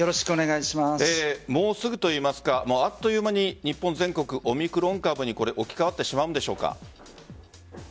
もうすぐと言いますかあっという間に日本全国、オミクロン株に置き換わってしまうんでしょうか。